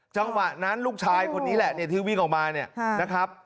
จังหวะนั้นลูกชายคนนี้แหละที่วิ่งออกมาเนี่ยนะครับ